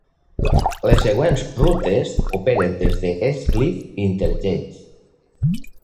Les següents rutes operen des de Edgecliff Interchange.